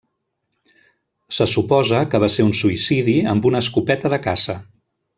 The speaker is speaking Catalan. Se suposa que va ser un suïcidi amb una escopeta de caça.